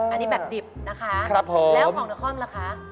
อันนี้แบบดิบนะคะแล้วของน้องของล่ะคะครับผม